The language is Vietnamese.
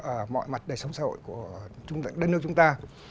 ở mọi mặt đời sống xã hội của đất nước chúng ta